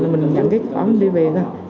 mình nhận cái cổng đi về thôi